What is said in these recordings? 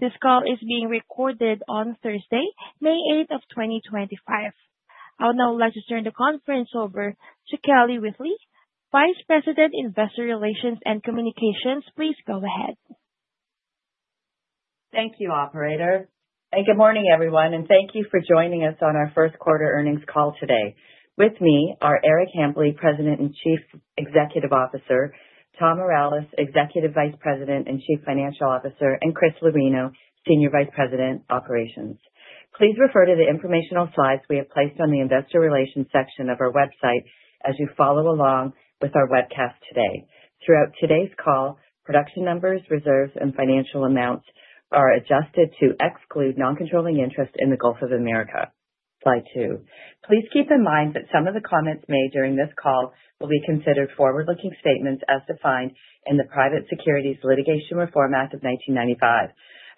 This call is being recorded on Thursday, May 8th of 2025. I would now like to turn the conference over to Kelly Whitley, Vice President, Investor Relations and Communications. Please go ahead. Thank you, Operator. Hey, good morning, everyone, and thank you for joining us on our first quarter earnings call today. With me are Eric Hambly, President and Chief Executive Officer; Tom Mireles, Executive Vice President and Chief Financial Officer; and Chris Lorino, Senior Vice President, Operations. Please refer to the informational slides we have placed on the Investor Relations section of our website as you follow along with our webcast today. Throughout today's call, production numbers, reserves, and financial amounts are adjusted to exclude non-controlling interest in the Gulf of Mexico. Slide two. Please keep in mind that some of the comments made during this call will be considered forward-looking statements as defined in the Private Securities Litigation Reform Act of 1995.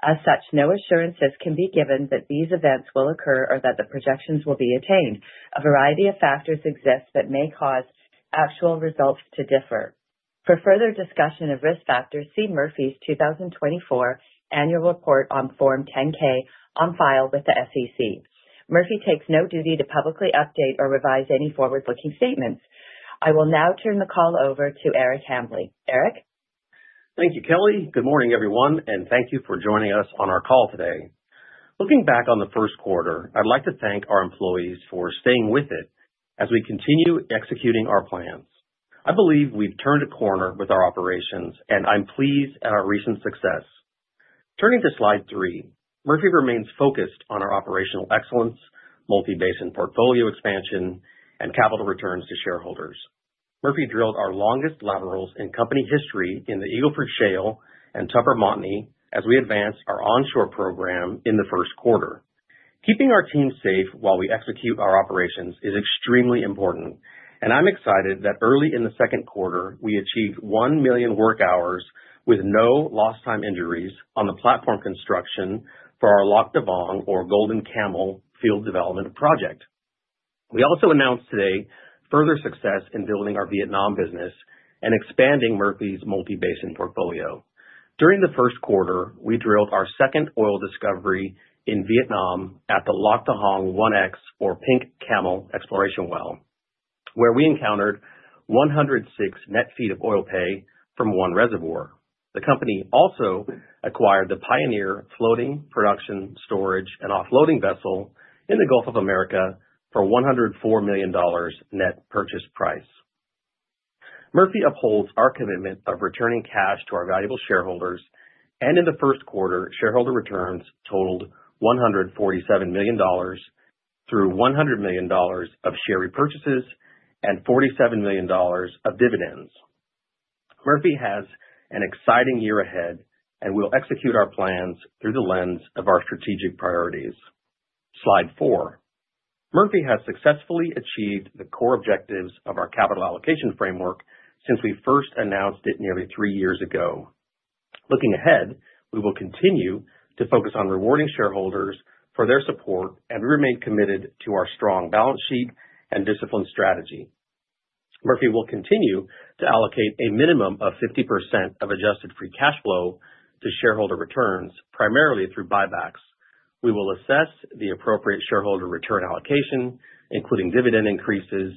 As such, no assurances can be given that these events will occur or that the projections will be attained. A variety of factors exist that may cause actual results to differ. For further discussion of risk factors, see Murphy's 2024 Annual Report on Form 10-K on file with the SEC. Murphy takes no duty to publicly update or revise any forward-looking statements. I will now turn the call over to Eric Hambly. Eric? Thank you, Kelly. Good morning, everyone, and thank you for joining us on our call today. Looking back on the first quarter, I'd like to thank our employees for staying with it as we continue executing our plans. I believe we've turned a corner with our operations, and I'm pleased at our recent success. Turning to slide three, Murphy remains focused on our operational excellence, multi-basin portfolio expansion, and capital returns to shareholders. Murphy drilled our longest laterals in company history in the Eagle Ford Shale and Tupper Montney as we advanced our onshore program in the first quarter. Keeping our team safe while we execute our operations is extremely important, and I'm excited that early in the second quarter, we achieved 1 million work hours with no lost-time injuries on the platform construction for our Lac Da Vong or Golden Camel field development project. We also announced today further success in building our Vietnam business and expanding Murphy's multi-basin portfolio. During the first quarter, we drilled our second oil discovery in Vietnam at the Lac Da Hong 1X or Pink Camel exploration well, where we encountered 106 net feet of oil pay from one reservoir. The company also acquired the Pioneer Floating Production Storage and Offloading vessel in the Gulf of Mexico for $104 million net purchase price. Murphy upholds our commitment of returning cash to our valuable shareholders, and in the first quarter, shareholder returns totaled $147 million through $100 million of share repurchases and $47 million of dividends. Murphy has an exciting year ahead and will execute our plans through the lens of our strategic priorities. Slide four. Murphy has successfully achieved the core objectives of our capital allocation framework since we first announced it nearly three years ago. Looking ahead, we will continue to focus on rewarding shareholders for their support and remain committed to our strong balance sheet and disciplined strategy. Murphy will continue to allocate a minimum of 50% of adjusted free cash flow to shareholder returns, primarily through buybacks. We will assess the appropriate shareholder return allocation, including dividend increases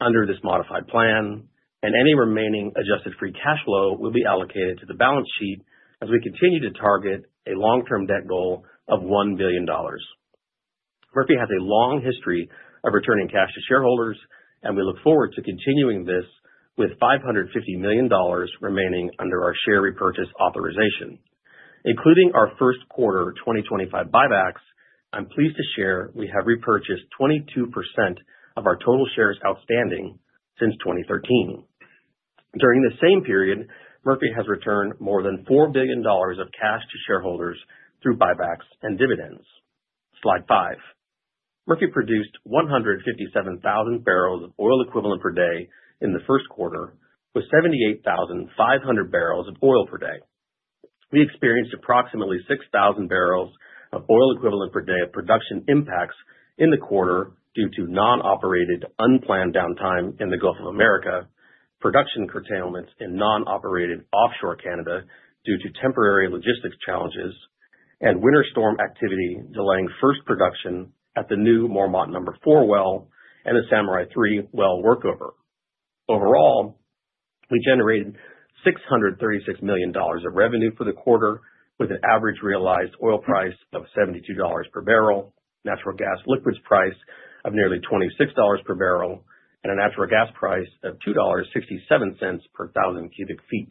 under this modified plan, and any remaining adjusted free cash flow will be allocated to the balance sheet as we continue to target a long-term debt goal of $1 billion. Murphy has a long history of returning cash to shareholders, and we look forward to continuing this with $550 million remaining under our share repurchase authorization. Including our first quarter 2025 buybacks, I'm pleased to share we have repurchased 22% of our total shares outstanding since 2013. During the same period, Murphy has returned more than $4 billion of cash to shareholders through buybacks and dividends. Slide five. Murphy produced 157,000 barrels of oil equivalent per day in the first quarter, with 78,500 barrels of oil per day. We experienced approximately 6,000 barrels of oil equivalent per day of production impacts in the quarter due to non-operated, unplanned downtime in the Gulf of Mexico, production curtailments in non-operated offshore Canada due to temporary logistics challenges, and winter storm activity delaying first production at the new Mormont Number Four well and the Samurai Three well workover. Overall, we generated $636 million of revenue for the quarter, with an average realized oil price of $72 per barrel, natural gas liquids price of nearly $26 per barrel, and a natural gas price of $2.67 per 1,000 cubic feet.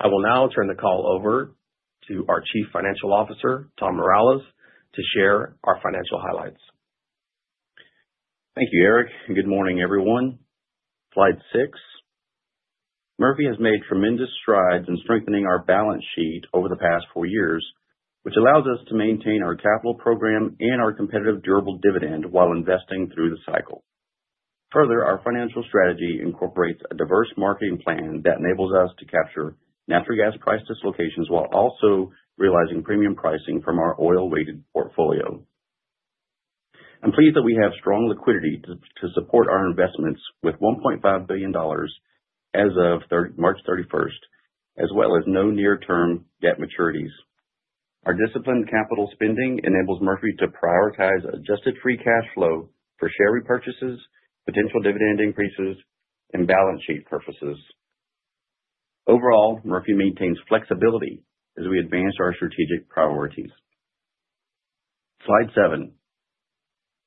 I will now turn the call over to our Chief Financial Officer, Tom Mireles, to share our financial highlights. Thank you, Eric. Good morning, everyone. Slide six. Murphy has made tremendous strides in strengthening our balance sheet over the past four years, which allows us to maintain our capital program and our competitive durable dividend while investing through the cycle. Further, our financial strategy incorporates a diverse marketing plan that enables us to capture natural gas price dislocations while also realizing premium pricing from our oil-weighted portfolio. I'm pleased that we have strong liquidity to support our investments with $1.5 billion as of March 31, as well as no near-term debt maturities. Our disciplined capital spending enables Murphy to prioritize adjusted free cash flow for share repurchases, potential dividend increases, and balance sheet purposes. Overall, Murphy maintains flexibility as we advance our strategic priorities. Slide seven.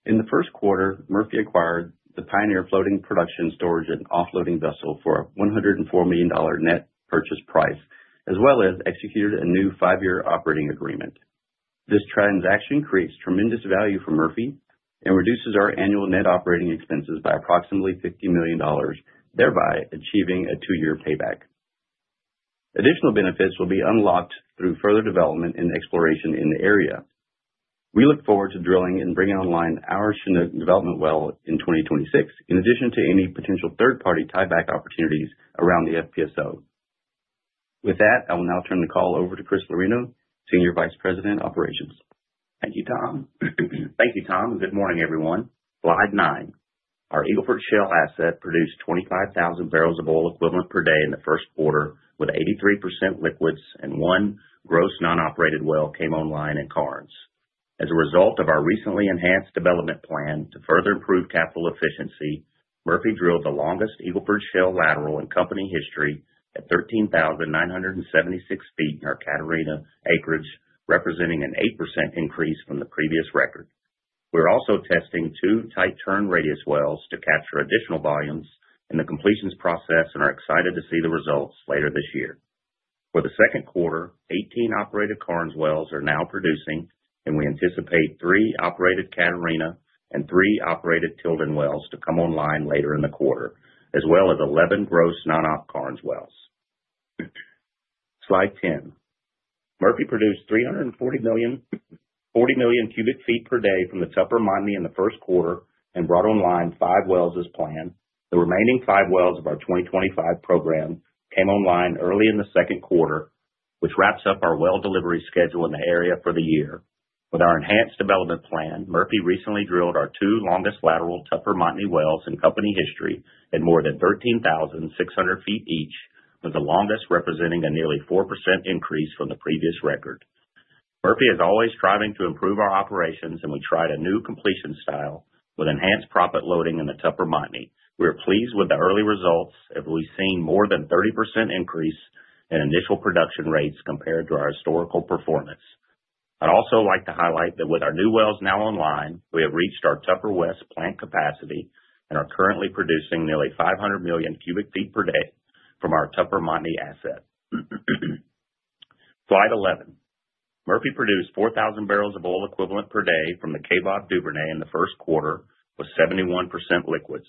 In the first quarter, Murphy acquired the Pioneer Floating Production Storage and Offloading Vessel for a $104 million net purchase price, as well as executed a new five-year operating agreement. This transaction creates tremendous value for Murphy and reduces our annual net operating expenses by approximately $50 million, thereby achieving a two-year payback. Additional benefits will be unlocked through further development and exploration in the area. We look forward to drilling and bringing online our Chinook development well in 2026, in addition to any potential third-party tieback opportunities around the FPSO. With that, I will now turn the call over to Chris Lorino, Senior Vice President, Operations. Thank you, Tom. Thank you, Tom. Good morning, everyone. Slide nine. Our Eagle Ford Shale asset produced 25,000 barrels of oil equivalent per day in the first quarter, with 83% liquids and one gross non-operated well came online in Karnes. As a result of our recently enhanced development plan to further improve capital efficiency, Murphy drilled the longest Eagle Ford Shale lateral in company history at 13,976 feet in our Catarina acreage, representing an 8% increase from the previous record. We are also testing two tight turn radius wells to capture additional volumes in the completions process and are excited to see the results later this year. For the second quarter, 18 operated Karnes wells are now producing, and we anticipate three operated Catarina and three operated Tilden wells to come online later in the quarter, as well as 11 gross non-op Karnes wells. Slide 10. Murphy produced 340 million cubic feet per day from the Tupper Montney in the first quarter and brought online five wells as planned. The remaining five wells of our 2025 program came online early in the second quarter, which wraps up our well delivery schedule in the area for the year. With our enhanced development plan, Murphy recently drilled our two longest lateral Tupper Montney wells in company history at more than 13,600 feet each, with the longest representing a nearly 4% increase from the previous record. Murphy is always striving to improve our operations, and we tried a new completion style with enhanced proppant loading in the Tupper Montney. We are pleased with the early results, as we've seen more than a 30% increase in initial production rates compared to our historical performance. I'd also like to highlight that with our new wells now online, we have reached our Tupper West plant capacity and are currently producing nearly 500 million cubic feet per day from our Tupper Montney asset. Slide 11. Murphy produced 4,000 barrels of oil equivalent per day from the Kaybob Duvernay in the first quarter, with 71% liquids.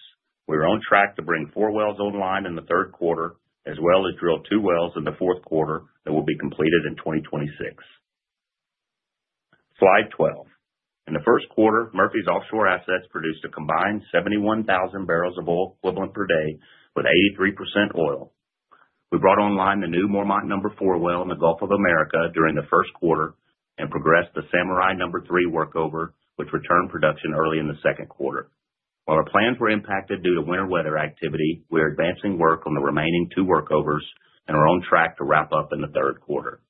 We are on track to bring four wells online in the third quarter, as well as drill two wells in the fourth quarter that will be completed in 2026. Slide 12. In the first quarter, Murphy's offshore assets produced a combined 71,000 barrels of oil equivalent per day, with 83% oil. We brought online the new Mormont Number Four well in the Gulf of Mexico during the first quarter and progressed the Samurai Number Three workover, which returned production early in the second quarter. While our plans were impacted due to winter weather activity, we are advancing work on the remaining two workovers and are on track to wrap up in the third quarter.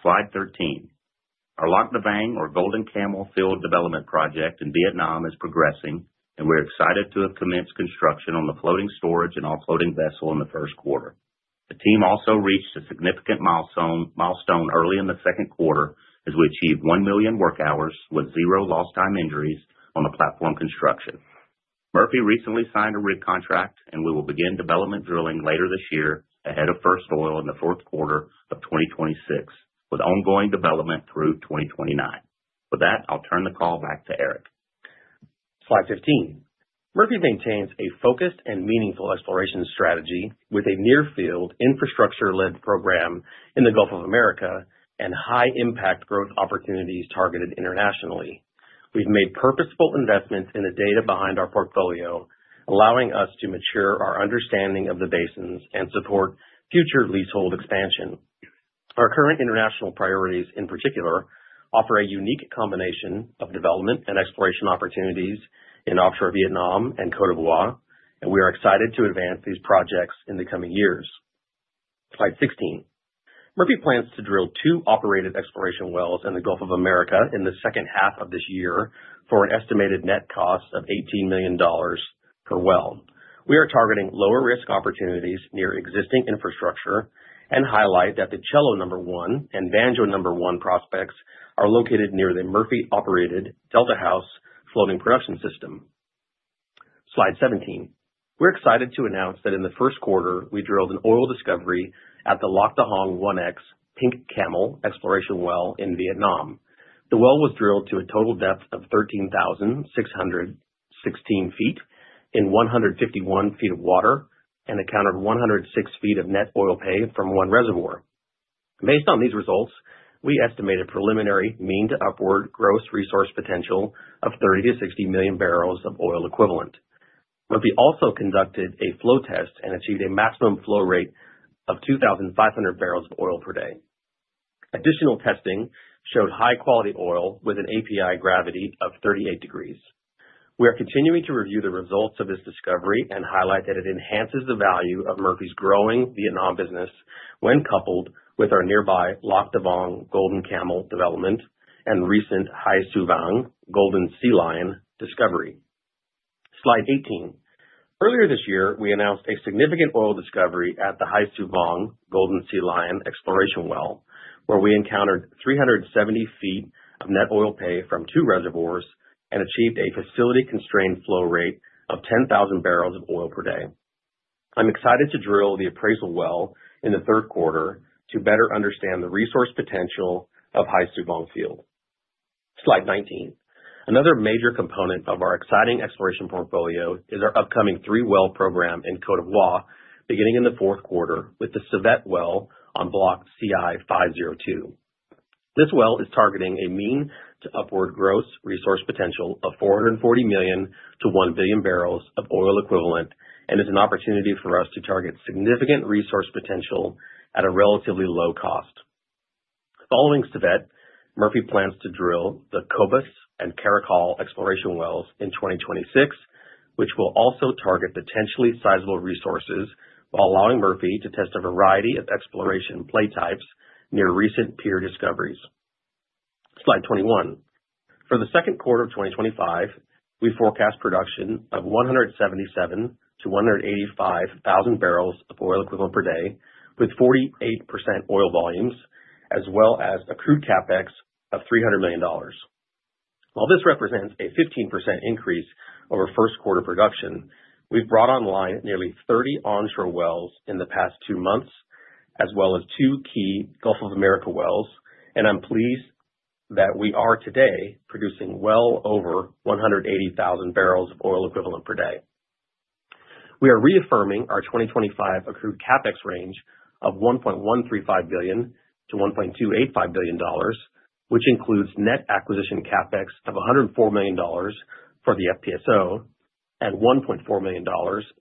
Slide 13. Our Lac Da Vong or Golden Camel Field Development Project in Vietnam is progressing, and we're excited to have commenced construction on the floating production storage and offloading vessel in the first quarter. The team also reached a significant milestone early in the second quarter as we achieved 1 million work hours with zero lost-time injuries on the platform construction. Murphy recently signed a rig contract, and we will begin development drilling later this year ahead of first oil in the fourth quarter of 2026, with ongoing development through 2029. With that, I'll turn the call back to Eric. Slide 15. Murphy maintains a focused and meaningful exploration strategy with a near-field infrastructure-led program in the Gulf of Mexico and high-impact growth opportunities targeted internationally. We've made purposeful investments in the data behind our portfolio, allowing us to mature our understanding of the basins and support future leasehold expansion. Our current international priorities, in particular, offer a unique combination of development and exploration opportunities in offshore Vietnam and Côte d’Ivoire, and we are excited to advance these projects in the coming years. Slide 16. Murphy plans to drill two operated exploration wells in the Gulf of Mexico in the second half of this year for an estimated net cost of $18 million per well. We are targeting lower-risk opportunities near existing infrastructure and highlight that the Cello Number One and Banjo Number One prospects are located near the Murphy-operated Delta House floating production system. Slide 17. We're excited to announce that in the first quarter, we drilled an oil discovery at the Lac Da Hong 1X Pink Camel Exploration Well in Vietnam. The well was drilled to a total depth of 13,616 ft in 151 ft of water and accounted for 106 ft of net oil pay from one reservoir. Based on these results, we estimated preliminary mean to upward gross resource potential of 30-60 million barrels of oil equivalent. Murphy also conducted a flow test and achieved a maximum flow rate of 2,500 barrels of oil per day. Additional testing showed high-quality oil with an API gravity of 38 degrees. We are continuing to review the results of this discovery and highlight that it enhances the value of Murphy's growing Vietnam business when coupled with our nearby Lac Da Vong Golden Camel Development and recent Hai Su Vong Golden Sea Lion discovery. Slide 18. Earlier this year, we announced a significant oil discovery at the Hai Su Vong Golden Sea Lion Exploration Well, where we encountered 370 feet of net oil pay from two reservoirs and achieved a facility-constrained flow rate of 10,000 barrels of oil per day. I'm excited to drill the appraisal well in the third quarter to better understand the resource potential of Hai Su Vong Field. Slide 19. Another major component of our exciting exploration portfolio is our upcoming three-well program in Côte d’Ivoire beginning in the fourth quarter with the Savette Well on block CI-502. This well is targeting a mean to upward gross resource potential of 440 million-1 billion barrels of oil equivalent and is an opportunity for us to target significant resource potential at a relatively low cost. Following Savette, Murphy plans to drill the Cobus and Caracal exploration wells in 2026, which will also target potentially sizable resources while allowing Murphy to test a variety of exploration play types near recent peer discoveries. Slide 21. For the second quarter of 2025, we forecast production of 177,000-185,000 barrels of oil equivalent per day with 48% oil volumes, as well as accrued CapEx of $300 million. While this represents a 15% increase over first quarter production, we've brought online nearly 30 onshore wells in the past two months, as well as two key Gulf of Mexico wells, and I'm pleased that we are today producing well over 180,000 barrels of oil equivalent per day. We are reaffirming our 2025 accrued CapEx range of $1.135 billion-$1.285 billion, which includes net acquisition CapEx of $104 million for the FPSO and $1.4 million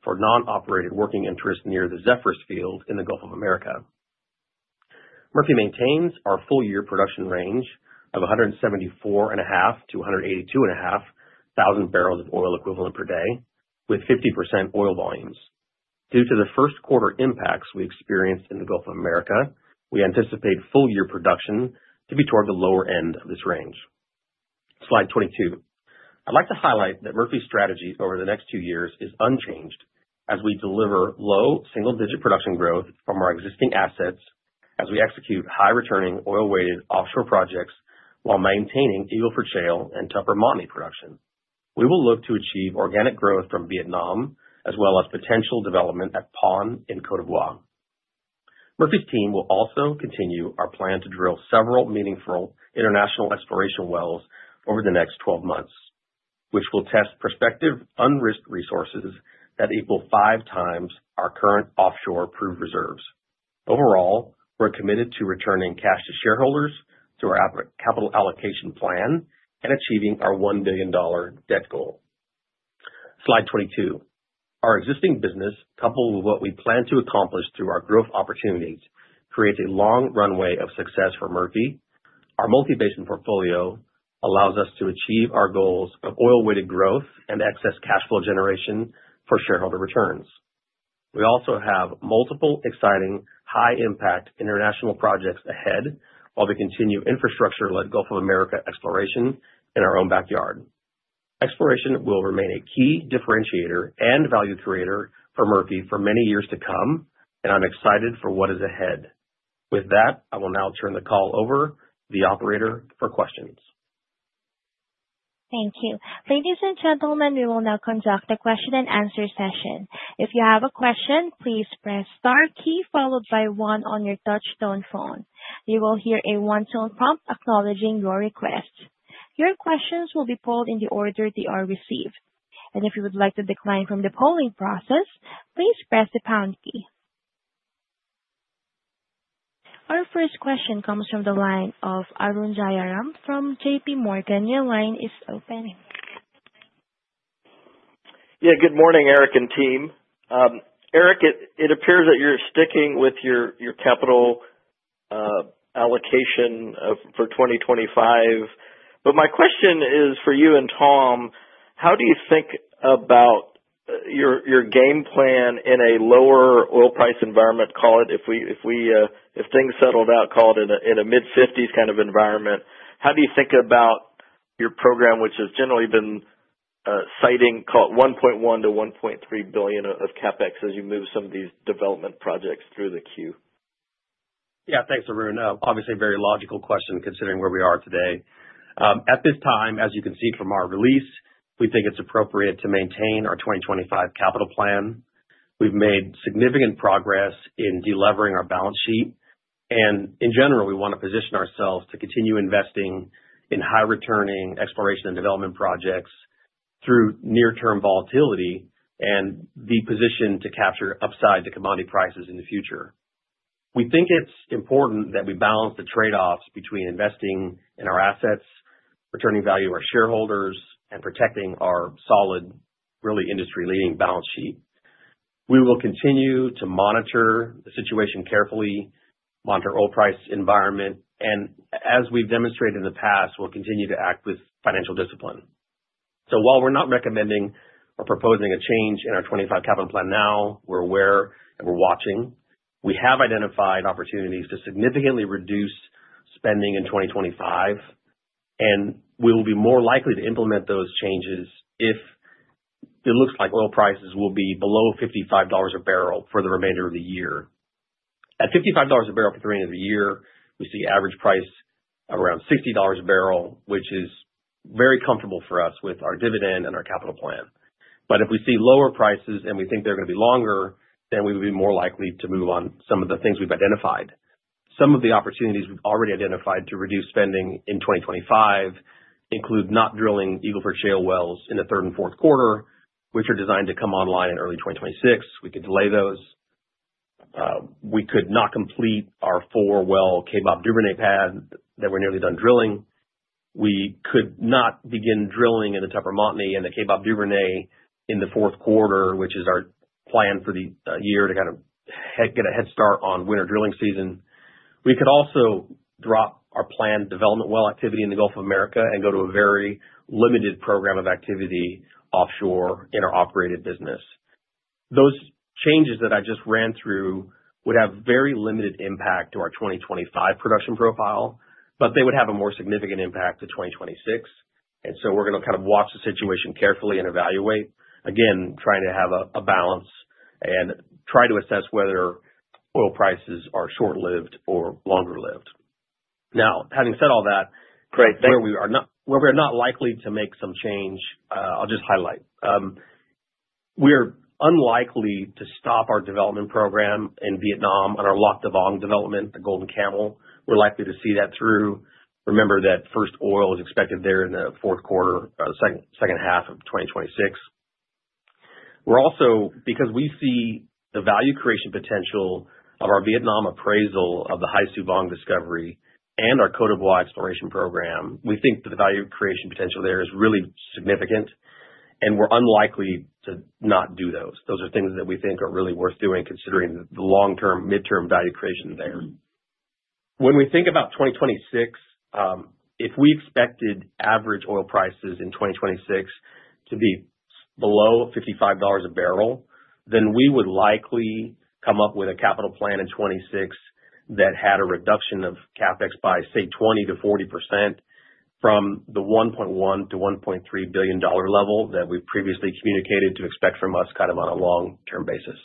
for non-operated working interest near the Zephyrus field in the Gulf of Mexico. Murphy maintains our full-year production range of 174.5-182.5 thousand barrels of oil equivalent per day with 50% oil volumes. Due to the first quarter impacts we experienced in the Gulf of Mexico, we anticipate full-year production to be toward the lower end of this range. Slide 22. I'd like to highlight that Murphy's strategy over the next two years is unchanged as we deliver low single-digit production growth from our existing assets as we execute high-returning oil-weighted offshore projects while maintaining Eagle Ford Shale and Tupper Montney production. We will look to achieve organic growth from Vietnam, as well as potential development at Pawn in Côte d’Ivoire. Murphy's team will also continue our plan to drill several meaningful international exploration wells over the next 12 months, which will test prospective unrisked resources that equal five times our current offshore proved reserves. Overall, we're committed to returning cash to shareholders through our capital allocation plan and achieving our $1 billion debt goal. Slide 22. Our existing business, coupled with what we plan to accomplish through our growth opportunities, creates a long runway of success for Murphy. Our multi-basin portfolio allows us to achieve our goals of oil-weighted growth and excess cash flow generation for shareholder returns. We also have multiple exciting high-impact international projects ahead while we continue infrastructure-led Gulf of Mexico exploration in our own backyard. Exploration will remain a key differentiator and value creator for Murphy for many years to come, and I'm excited for what is ahead. With that, I will now turn the call over to the operator for questions. Thank you. Ladies and gentlemen, we will now conduct a question-and-answer session. If you have a question, please press the star key followed by one on your touch-tone phone. You will hear a one-tone prompt acknowledging your request. Your questions will be polled in the order they are received. If you would like to decline from the polling process, please press the pound key. Our first question comes from the line of Arun Jayaram from JPMorgan. Your line is open. Yeah, good morning, Eric and team. Eric, it appears that you're sticking with your capital allocation for 2025. My question is for you and Tom, how do you think about your game plan in a lower oil price environment? Call it, if things settled out, call it in a mid-50s kind of environment. How do you think about your program, which has generally been citing, call it $1.1 billion-$1.3 billion of CapEx as you move some of these development projects through the queue? Yeah, thanks, Arun. Obviously, a very logical question considering where we are today. At this time, as you can see from our release, we think it's appropriate to maintain our 2025 capital plan. We've made significant progress in delivering our balance sheet. In general, we want to position ourselves to continue investing in high-returning exploration and development projects through near-term volatility and be positioned to capture upside to commodity prices in the future. We think it's important that we balance the trade-offs between investing in our assets, returning value to our shareholders, and protecting our solid, really industry-leading balance sheet. We will continue to monitor the situation carefully, monitor oil price environment, and as we've demonstrated in the past, we'll continue to act with financial discipline. While we're not recommending or proposing a change in our 2025 capital plan now, we're aware and we're watching, we have identified opportunities to significantly reduce spending in 2025, and we will be more likely to implement those changes if it looks like oil prices will be below $55 a barrel for the remainder of the year. At $55 a barrel for the remainder of the year, we see average price around $60 a barrel, which is very comfortable for us with our dividend and our capital plan. If we see lower prices and we think they're going to be longer, then we would be more likely to move on some of the things we've identified. Some of the opportunities we've already identified to reduce spending in 2025 include not drilling Eagle Ford Shale wells in the third and fourth quarter, which are designed to come online in early 2026. We could delay those. We could not complete our four-well Kaybob Duvernay pad that we're nearly done drilling. We could not begin drilling in the Tupper Montney and the Kaybob Duvernay in the fourth quarter, which is our plan for the year to kind of get a head start on winter drilling season. We could also drop our planned development well activity in the Gulf of Mexico and go to a very limited program of activity offshore in our operated business. Those changes that I just ran through would have very limited impact to our 2025 production profile, but they would have a more significant impact to 2026. We're going to kind of watch the situation carefully and evaluate, again, trying to have a balance and try to assess whether oil prices are short-lived or longer-lived. Now, having said all that. Great. Thank you. Where we are not likely to make some change, I'll just highlight. We are unlikely to stop our development program in Vietnam on our Lac Da Vong development, the Golden Camel. We're likely to see that through. Remember that first oil is expected there in the fourth quarter, second half of 2026. We're also, because we see the value creation potential of our Vietnam appraisal of the Hai Su Vong discovery and our Côte d’Ivoire exploration program, we think that the value creation potential there is really significant, and we're unlikely to not do those. Those are things that we think are really worth doing considering the long-term, mid-term value creation there. When we think about 2026, if we expected average oil prices in 2026 to be below $55 a barrel, then we would likely come up with a capital plan in 2026 that had a reduction of CapEx by, say, 20%-40% from the $1.1 billion-$1.3 billion level that we've previously communicated to expect from us kind of on a long-term basis.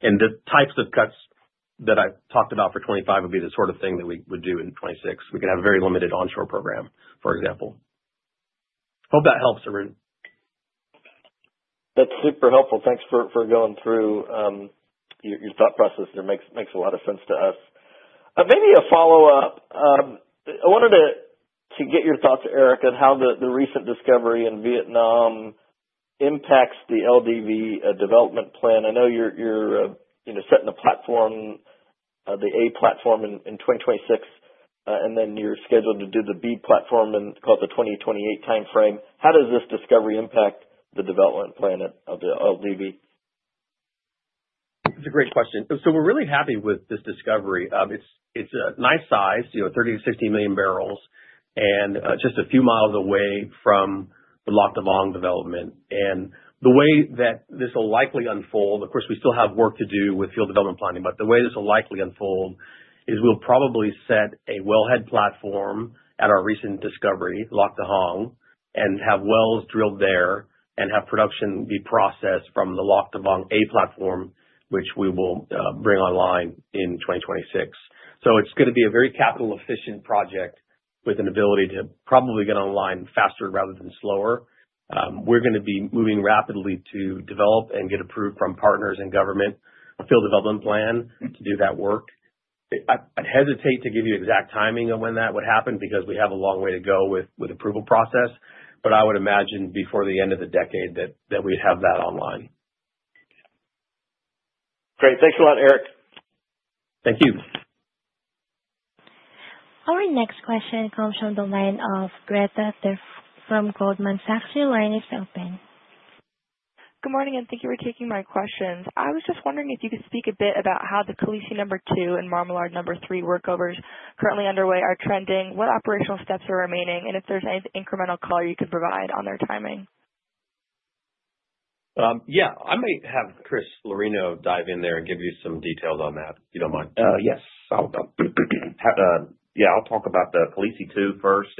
The types of cuts that I talked about for 2025 would be the sort of thing that we would do in 2026. We could have a very limited onshore program, for example. Hope that helps, Arun. That's super helpful. Thanks for going through your thought process. It makes a lot of sense to us. Maybe a follow-up. I wanted to get your thoughts, Eric, on how the recent discovery in Vietnam impacts the LDV development plan. I know you're setting the platform, the A platform in 2026, and then you're scheduled to do the B platform in, call it the 2028 time frame. How does this discovery impact the development plan of the LDV? That's a great question. We're really happy with this discovery. It's a nice size, 30-60 million barrels, and just a few miles away from the Lac Da Vong development. The way that this will likely unfold, of course, we still have work to do with field development planning, but the way this will likely unfold is we'll probably set a wellhead platform at our recent discovery, Lac Da Hong, and have wells drilled there and have production be processed from the Lac Da Vong A platform, which we will bring online in 2026. It's going to be a very capital-efficient project with an ability to probably get online faster rather than slower. We're going to be moving rapidly to develop and get approved from partners and government a field development plan to do that work. I'd hesitate to give you exact timing of when that would happen because we have a long way to go with the approval process, but I would imagine before the end of the decade that we'd have that online. Great. Thanks a lot, Eric. Thank you. Our next question comes from the line of Greta from Goldman Sachs. Your line is open. Good morning and thank you for taking my questions. I was just wondering if you could speak a bit about how the Khaleesi Number 2 and Marmalard Number 3 workovers currently underway are trending, what operational steps are remaining, and if there's any incremental color you could provide on their timing. Yeah, I might have Chris Lorino dive in there and give you some details on that if you do not mind. Yes. Yeah, I'll talk about the Khaleesi 2 first.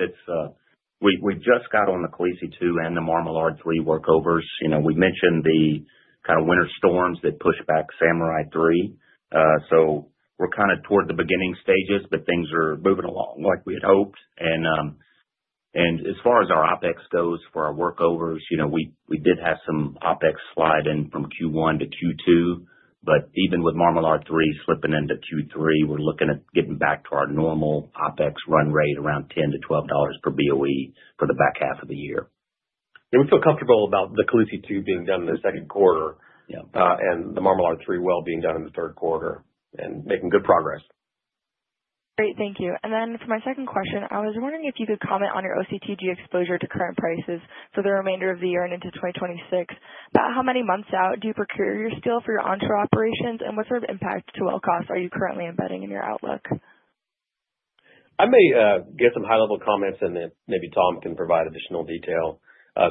We just got on the Khaleesi 2 and the Marmalard 3 workovers. We mentioned the kind of winter storms that pushed back Samurai 3. We are kind of toward the beginning stages, but things are moving along like we had hoped. As far as our OpEx goes for our workovers, we did have some OpEx slide in from Q1 to Q2, but even with Marmalard 3 slipping into Q3, we're looking at getting back to our normal OpEx run rate around $10-$12 per BOE for the back half of the year. Yeah, we feel comfortable about the Khaleesi #2 being done in the second quarter and the Marmalard #3 well being done in the third quarter and making good progress. Great, thank you. For my second question, I was wondering if you could comment on your OCTG exposure to current prices for the remainder of the year and into 2026. About how many months out do you procure your steel for your onshore operations, and what sort of impact to oil costs are you currently embedding in your outlook? I may get some high-level comments, and then maybe Tom can provide additional detail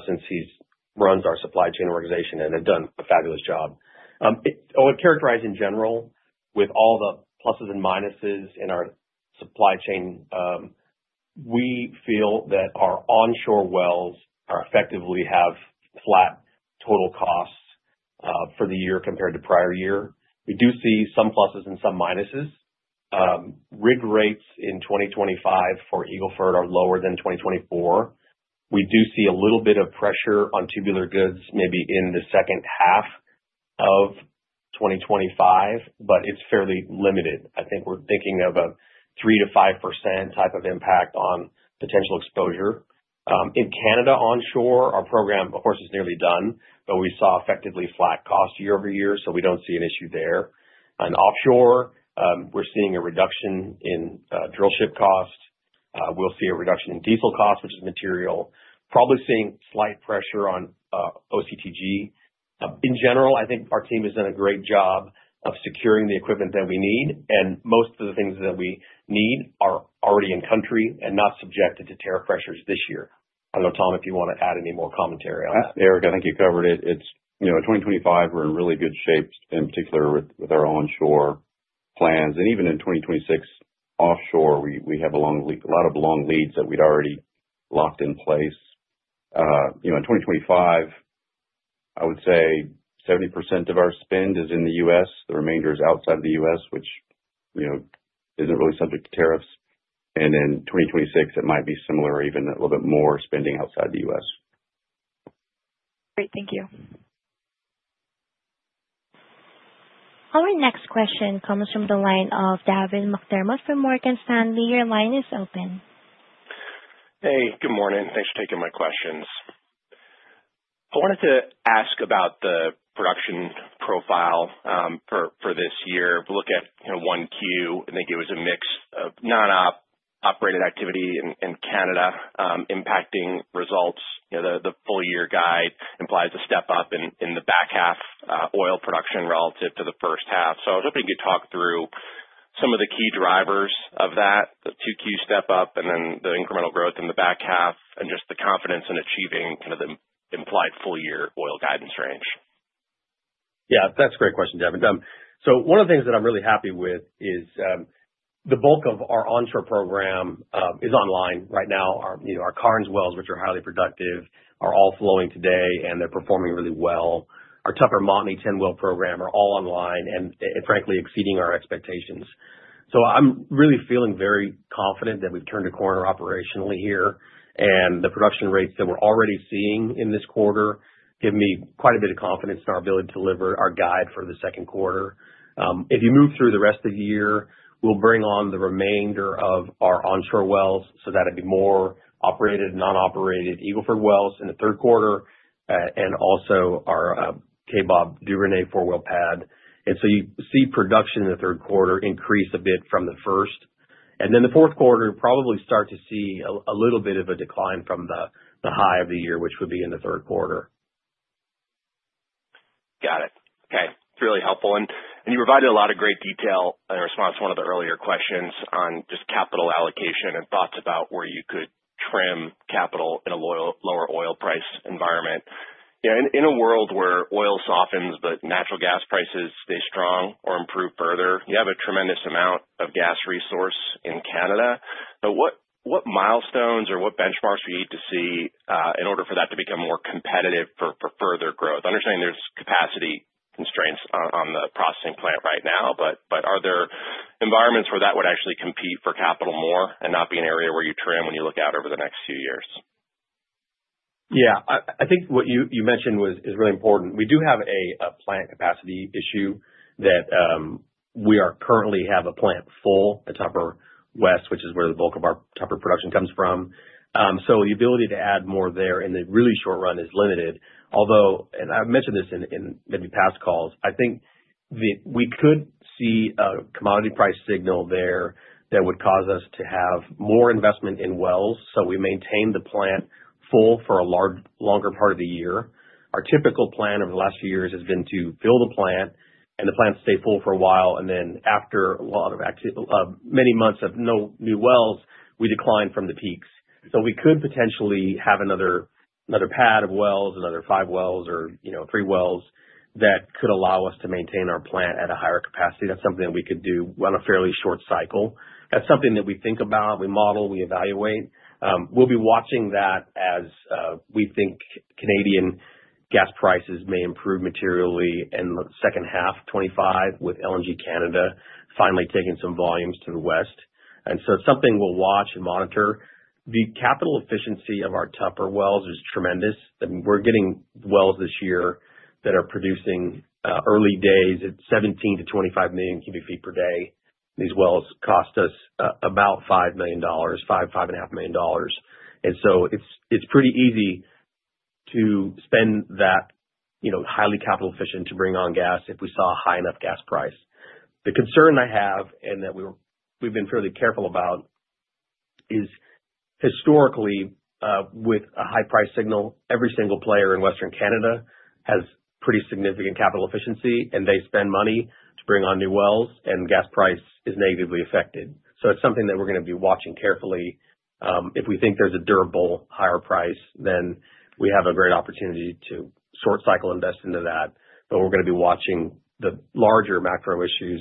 since he runs our supply chain organization and has done a fabulous job. I would characterize in general, with all the pluses and minuses in our supply chain, we feel that our onshore wells effectively have flat total costs for the year compared to prior year. We do see some pluses and some minuses. Rig rates in 2025 for Eagle Ford are lower than 2024. We do see a little bit of pressure on tubular goods maybe in the second half of 2025, but it's fairly limited. I think we're thinking of a 3%-5% type of impact on potential exposure. In Canada onshore, our program, of course, is nearly done, but we saw effectively flat cost year over year, so we don't see an issue there. On offshore, we're seeing a reduction in drill ship cost. We'll see a reduction in diesel cost, which is material. Probably seeing slight pressure on OCTG. In general, I think our team has done a great job of securing the equipment that we need, and most of the things that we need are already in country and not subjected to tariff pressures this year. I don't know, Tom, if you want to add any more commentary on that. Eric, I think you covered it. In 2025, we're in really good shape, in particular with our onshore plans. Even in 2026, offshore, we have a lot of long leads that we'd already locked in place. In 2025, I would say 70% of our spend is in the U.S. The remainder is outside of the U.S., which isn't really subject to tariffs. In 2026, it might be similar, even a little bit more spending outside the U.S. Great, thank you. Our next question comes from the line of Devin McDermott from Morgan Stanley. Your line is open. Hey, good morning. Thanks for taking my questions. I wanted to ask about the production profile for this year. We look at one Q, and I think it was a mix of non-operated activity in Canada impacting results. The full-year guide implies a step up in the back half oil production relative to the first half. I was hoping you could talk through some of the key drivers of that, the two Q step up, and then the incremental growth in the back half, and just the confidence in achieving kind of the implied full-year oil guidance range. Yeah, that's a great question, Devin. One of the things that I'm really happy with is the bulk of our onshore program is online right now. Our Karnes wells, which are highly productive, are all flowing today, and they're performing really well. Our Tupper Montney 10-well program are all online and, frankly, exceeding our expectations. I'm really feeling very confident that we've turned a corner operationally here. The production rates that we're already seeing in this quarter give me quite a bit of confidence in our ability to deliver our guide for the second quarter. If you move through the rest of the year, we'll bring on the remainder of our onshore wells so that it'd be more operated, non-operated Eagle Ford wells in the third quarter, and also our Kaybob Duvernay four-well pad. You see production in the third quarter increase a bit from the first. Then the fourth quarter, probably start to see a little bit of a decline from the high of the year, which would be in the third quarter. Got it. Okay. It's really helpful. You provided a lot of great detail in response to one of the earlier questions on just capital allocation and thoughts about where you could trim capital in a lower oil price environment. In a world where oil softens, but natural gas prices stay strong or improve further, you have a tremendous amount of gas resource in Canada. What milestones or what benchmarks do you need to see in order for that to become more competitive for further growth? Understanding there's capacity constraints on the processing plant right now, are there environments where that would actually compete for capital more and not be an area where you trim when you look out over the next few years? Yeah. I think what you mentioned is really important. We do have a plant capacity issue that we currently have a plant full at Tupper West, which is where the bulk of our Tupper production comes from. The ability to add more there in the really short run is limited. Although, and I've mentioned this in maybe past calls, I think we could see a commodity price signal there that would cause us to have more investment in wells so we maintain the plant full for a longer part of the year. Our typical plan over the last few years has been to fill the plant and the plant stay full for a while, and then after many months of no new wells, we decline from the peaks. We could potentially have another pad of wells, another five wells or three wells that could allow us to maintain our plant at a higher capacity. That is something that we could do on a fairly short cycle. That is something that we think about, we model, we evaluate. We will be watching that as we think Canadian gas prices may improve materially in the second half, 2025, with LNG Canada finally taking some volumes to the west. It is something we will watch and monitor. The capital efficiency of our Tupper wells is tremendous. We are getting wells this year that are producing early days at 17-25 million cubic feet per day. These wells cost us about $5 million, $5-$5.5 million. It is pretty easy to spend that, highly capital-efficient to bring on gas if we saw a high enough gas price. The concern I have and that we've been fairly careful about is historically, with a high price signal, every single player in Western Canada has pretty significant capital efficiency, and they spend money to bring on new wells, and gas price is negatively affected. It is something that we're going to be watching carefully. If we think there's a durable higher price, then we have a great opportunity to short-cycle invest into that. We are going to be watching the larger macro issues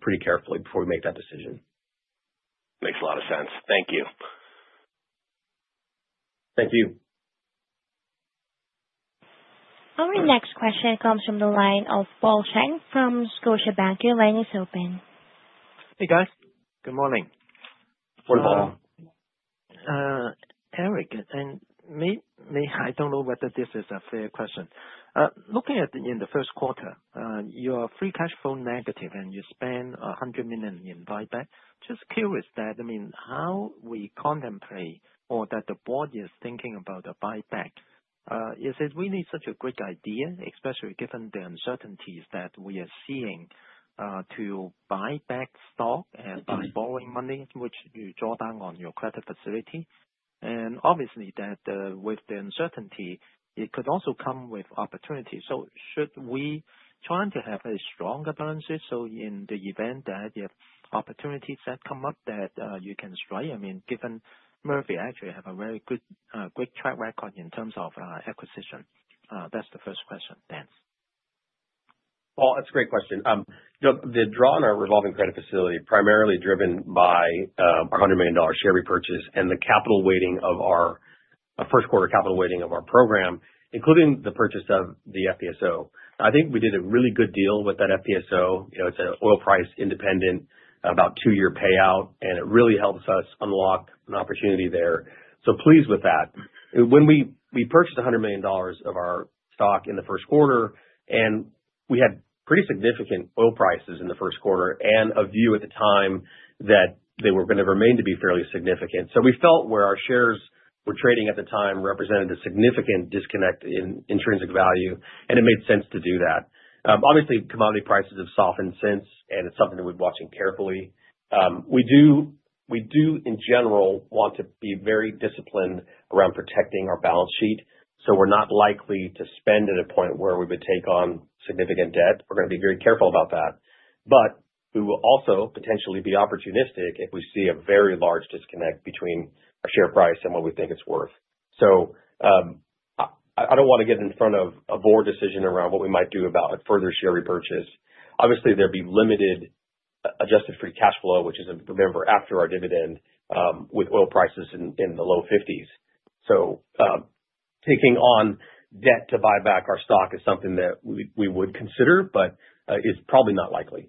pretty carefully before we make that decision. Makes a lot of sense. Thank you. Thank you. Our next question comes from the line of Paul Cheng from Scotiabank. Your line is open. Hey, guys. Good morning. Morning, Paul. Eric, and maybe I do not know whether this is a fair question. Looking at the first quarter, your free cash flow negative and you spend $100 million in buyback. Just curious that, I mean, how we contemplate or that the board is thinking about a buyback is it really such a great idea, especially given the uncertainties that we are seeing to buy back stock and borrowing money, which you draw down on your credit facility? Obviously, with the uncertainty, it could also come with opportunity. Should we try to have a stronger balance sheet so in the event that you have opportunities that come up that you can strike? I mean, given Murphy actually has a very good track record in terms of acquisition. That is the first question. Thanks. Paul, that's a great question. The draw on our revolving credit facility is primarily driven by our $100 million share repurchase and the capital weighting of our first quarter capital weighting of our program, including the purchase of the FPSO. I think we did a really good deal with that FPSO. It's an oil price independent, about two-year payout, and it really helps us unlock an opportunity there. Pleased with that. We purchased $100 million of our stock in the first quarter, and we had pretty significant oil prices in the first quarter and a view at the time that they were going to remain to be fairly significant. We felt where our shares were trading at the time represented a significant disconnect in intrinsic value, and it made sense to do that. Obviously, commodity prices have softened since, and it's something that we've been watching carefully. We do, in general, want to be very disciplined around protecting our balance sheet. We are not likely to spend at a point where we would take on significant debt. We are going to be very careful about that. We will also potentially be opportunistic if we see a very large disconnect between our share price and what we think it is worth. I do not want to get in front of a board decision around what we might do about further share repurchase. Obviously, there would be limited adjusted free cash flow, which is a number after our dividend with oil prices in the low $50s. Taking on debt to buy back our stock is something that we would consider, but it is probably not likely.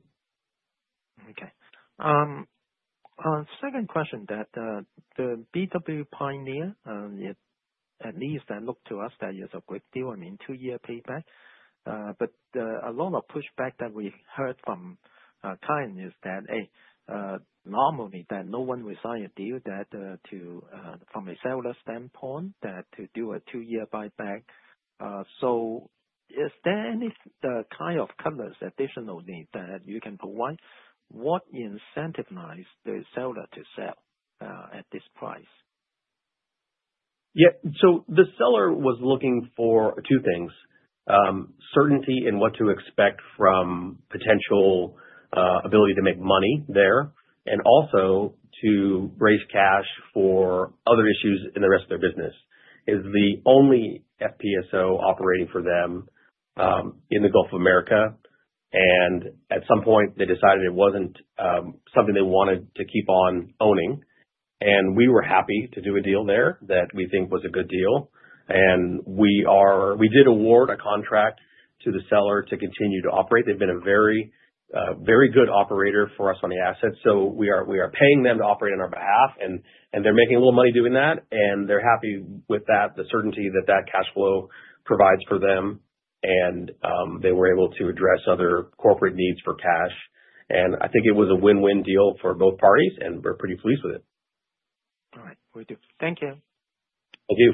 Okay. Second question, that the BW Pioneer, at least that looked to us that it's a great deal, I mean, two-year payback. A lot of pushback that we heard from Kyle is that, hey, normally that no one will sign a deal from a seller standpoint that to do a two-year buyback. Is there any kind of colors additionally that you can provide? What incentivizes the seller to sell at this price? Yeah. The seller was looking for two things: certainty in what to expect from potential ability to make money there, and also to raise cash for other issues in the rest of their business. It is the only FPSO operating for them in the Gulf of Mexico. At some point, they decided it was not something they wanted to keep on owning. We were happy to do a deal there that we think was a good deal. We did award a contract to the seller to continue to operate. They have been a very good operator for us on the asset. We are paying them to operate on our behalf, and they are making a little money doing that, and they are happy with that, the certainty that that cash flow provides for them, and they were able to address other corporate needs for cash. I think it was a win-win deal for both parties, and we're pretty pleased with it. All right. Will do. Thank you. Thank you.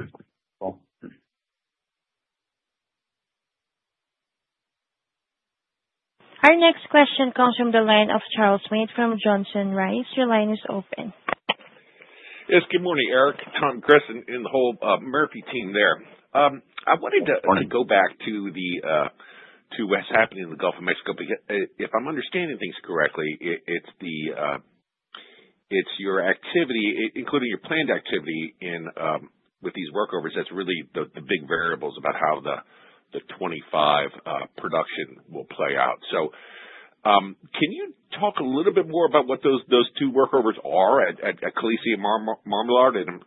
Our next question comes from the line of Charles Meade from Johnson Rice. Your line is open. Yes. Good morning, Eric, Tom, Chris, and the whole Murphy team there. I wanted to go back to what's happening in the Gulf of Mexico. If I'm understanding things correctly, it's your activity, including your planned activity with these workovers. That's really the big variables about how the 2025 production will play out. Can you talk a little bit more about what those two workovers are at Khaleesi Mormont?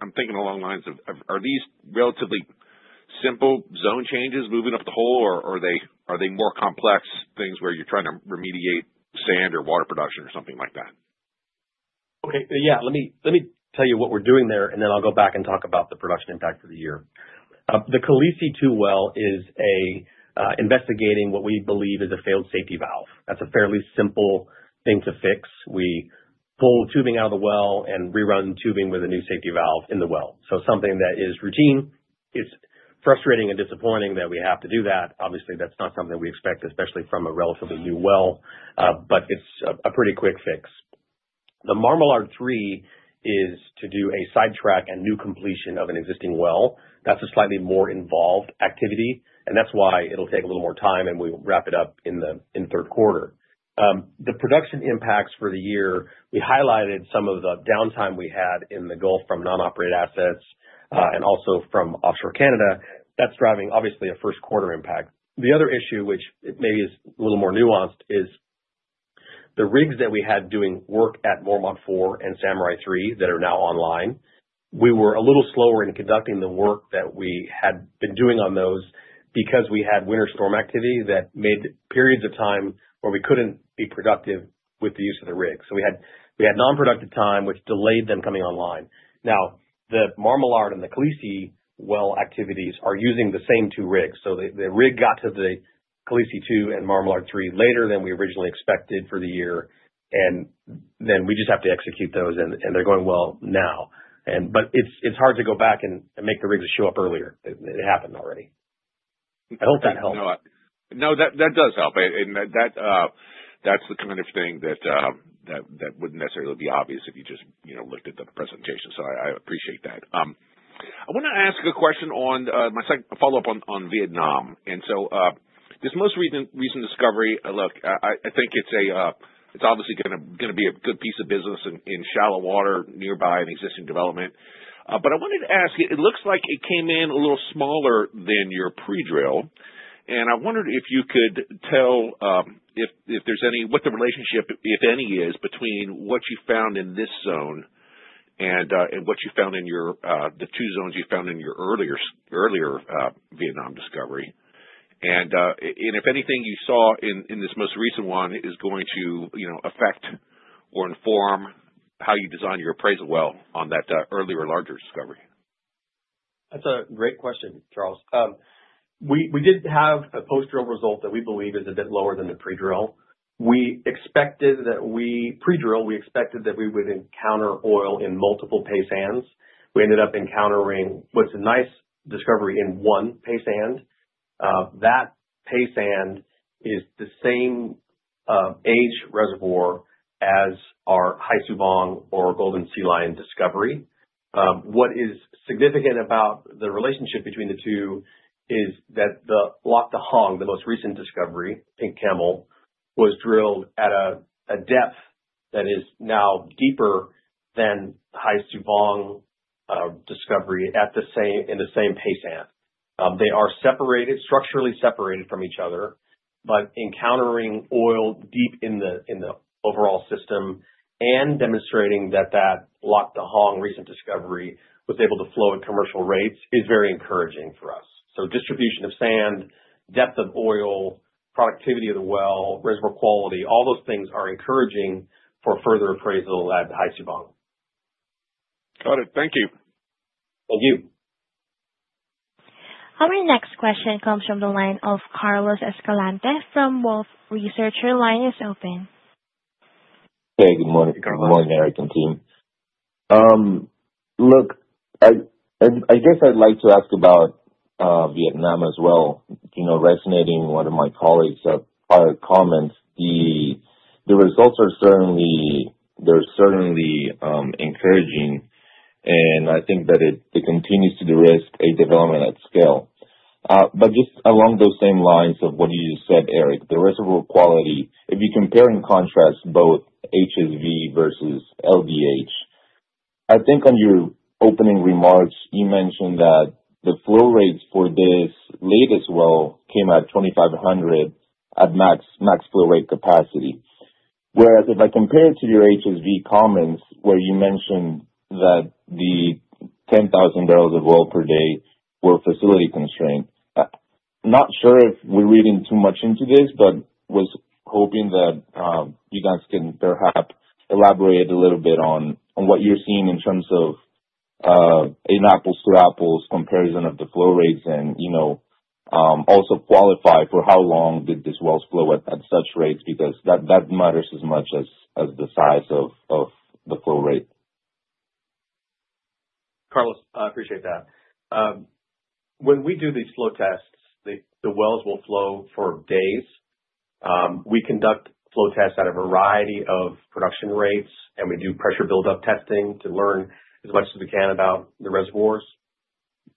I'm thinking along the lines of, are these relatively simple zone changes moving up the hole, or are they more complex things where you're trying to remediate sand or water production or something like that? Okay. Yeah. Let me tell you what we're doing there, and then I'll go back and talk about the production impact of the year. The Khaleesi #2 well is investigating what we believe is a failed safety valve. That's a fairly simple thing to fix. We pull tubing out of the well and rerun tubing with a new safety valve in the well. So something that is routine. It's frustrating and disappointing that we have to do that. Obviously, that's not something we expect, especially from a relatively new well, but it's a pretty quick fix. The Samurai #3 is to do a sidetrack and new completion of an existing well. That's a slightly more involved activity, and that's why it'll take a little more time, and we'll wrap it up in the third quarter. The production impacts for the year, we highlighted some of the downtime we had in the Gulf of Mexico from non-operated assets and also from offshore Canada. That is driving, obviously, a first quarter impact. The other issue, which maybe is a little more nuanced, is the rigs that we had doing work at Mormont 4 and Samurai #3 that are now online. We were a little slower in conducting the work that we had been doing on those because we had winter storm activity that made periods of time where we could not be productive with the use of the rig. So we had non-productive time, which delayed them coming online. Now, the Marmulaard and the Khaleesi well activities are using the same two rigs. The rig got to the Calesia 2 and Marmulaard 3 later than we originally expected for the year, and then we just have to execute those, and they're going well now. It is hard to go back and make the rigs show up earlier. It happened already. I hope that helps. No, that does help. That's the kind of thing that wouldn't necessarily be obvious if you just looked at the presentation. I appreciate that. I want to ask a question on my follow-up on Vietnam. This most recent discovery, look, I think it's obviously going to be a good piece of business in shallow water nearby an existing development. I wanted to ask, it looks like it came in a little smaller than your pre-drill. I wondered if you could tell if there's any, what the relationship, if any, is between what you found in this zone and what you found in the two zones you found in your earlier Vietnam discovery. If anything you saw in this most recent one is going to affect or inform how you design your appraisal well on that earlier larger discovery. That's a great question, Charles. We did have a post-drill result that we believe is a bit lower than the pre-drill. We expected that we pre-drill, we expected that we would encounter oil in multiple paysands. We ended up encountering what's a nice discovery in one paysand. That paysand is the same age reservoir as our Hai Su Vong or Golden Camel discovery. What is significant about the relationship between the two is that the Lac Da Hong, the most recent discovery, Pink Camel, was drilled at a depth that is now deeper than Hai Su Vong discovery in the same paysand. They are structurally separated from each other, but encountering oil deep in the overall system and demonstrating that that Lac Da Hong recent discovery was able to flow at commercial rates is very encouraging for us. Distribution of sand, depth of oil, productivity of the well, reservoir quality, all those things are encouraging for further appraisal at Hai Su Vong. Got it. Thank you. Thank you. Our next question comes from the line of Carlos Escalante from Wolfe Research. Your line is open. Hey, good morning. Good morning, Eric. And team. Look, I guess I'd like to ask about Vietnam as well. Resonating one of my colleagues' comments, the results are certainly encouraging, and I think that it continues to direct a development at scale. Just along those same lines of what you just said, Eric, the reservoir quality, if you compare and contrast both HSV versus LDH, I think on your opening remarks, you mentioned that the flow rates for this latest well came at 2,500 at max flow rate capacity. Whereas if I compare it to your HSV comments where you mentioned that the 10,000 barrels of oil per day were facility constrained, not sure if we're reading too much into this, but was hoping that you guys can perhaps elaborate a little bit on what you're seeing in terms of an apples-to-apples comparison of the flow rates and also qualify for how long did these wells flow at such rates because that matters as much as the size of the flow rate. Carlos, I appreciate that. When we do these flow tests, the wells will flow for days. We conduct flow tests at a variety of production rates, and we do pressure buildup testing to learn as much as we can about the reservoirs.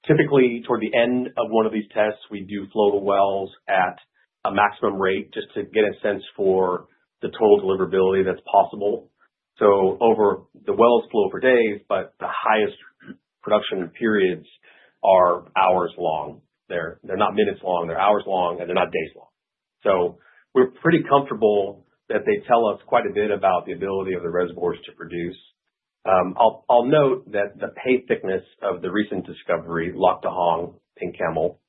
Typically, toward the end of one of these tests, we do flow the wells at a maximum rate just to get a sense for the total deliverability that's possible. The wells flow for days, but the highest production periods are hours long. They're not minutes long. They're hours long, and they're not days long. We're pretty comfortable that they tell us quite a bit about the ability of the reservoirs to produce. I'll note that the pay thickness of the recent discovery, Lac Da Hong, Pink Camel,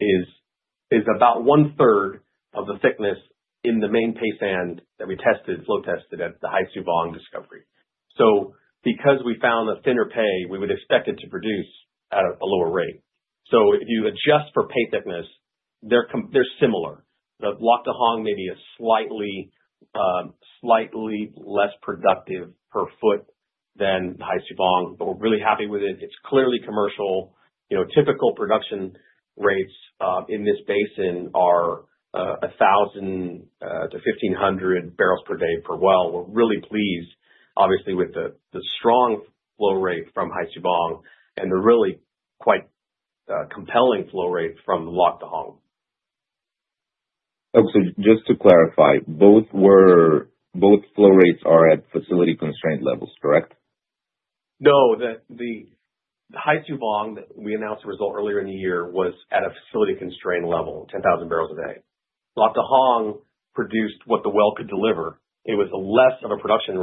is about one-third of the thickness in the main pay sand that we tested, flow tested at the Hai Su Vong discovery. Because we found a thinner pay, we would expect it to produce at a lower rate. If you adjust for pay thickness, they're similar. The Lac Da Hong may be slightly less productive per foot than Hai Su Vong, but we're really happy with it. It's clearly commercial. Typical production rates in this basin are 1,000-1,500 barrels per day per well. We're really pleased, obviously, with the strong flow rate from Hai Su Vong and the really quite compelling flow rate from Lac Da Hong. Just to clarify, both flow rates are at facility constraint levels, correct? No, the Hai Su Vong that we announced a result earlier in the year was at a facility constraint level, 10,000 barrels a day. Lac Da Hong produced what the well could deliver. It was less of a production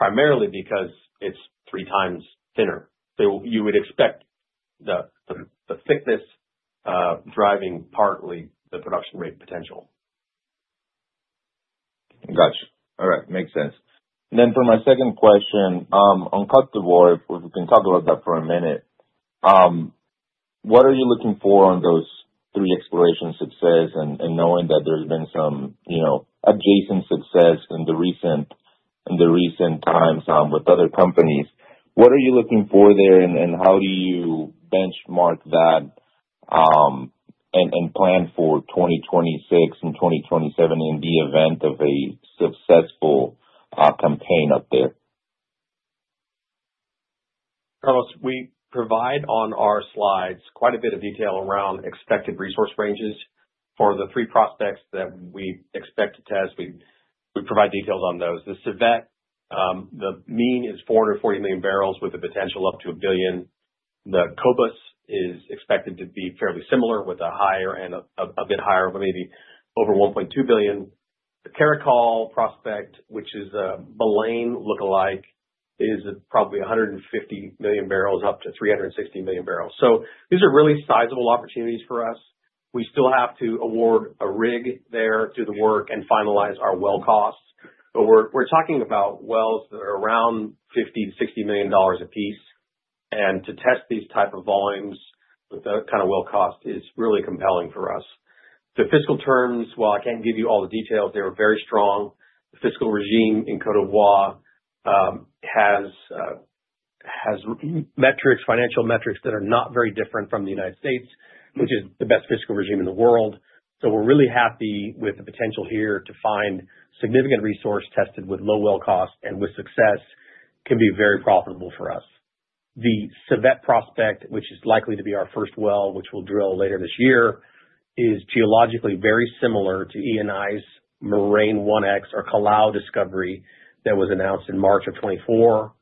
rate, primarily because it's three times thinner. You would expect the thickness driving partly the production rate potential. Gotcha. All right. Makes sense. For my second question, on Côte d’Ivoire, we can talk about that for a minute. What are you looking for on those three exploration successes and knowing that there has been some adjacent success in the recent times with other companies? What are you looking for there, and how do you benchmark that and plan for 2026 and 2027 in the event of a successful campaign up there? Carlos, we provide on our slides quite a bit of detail around expected resource ranges for the three prospects that we expect to test. We provide details on those. The CIVET, the mean is 440 million barrels with a potential up to 1 billion. The COBUS is expected to be fairly similar with a bit higher, maybe over 1.2 billion. The Caracal prospect, which is a Malane lookalike, is probably 150 million barrels up to 360 million barrels. These are really sizable opportunities for us. We still have to award a rig there to do the work and finalize our well costs. We are talking about wells that are around $50 million-$60 million a piece. To test these types of volumes with that kind of well cost is really compelling for us. The fiscal terms, while I cannot give you all the details, they were very strong. The fiscal regime in Côte d'Ivoire has metrics, financial metrics that are not very different from the United States, which is the best fiscal regime in the world. We are really happy with the potential here to find significant resource tested with low well cost and with success can be very profitable for us. The CIVET prospect, which is likely to be our first well, which we will drill later this year, is geologically very similar to Eni's Moraine 1X or Kalau discovery that was announced in March of 2024.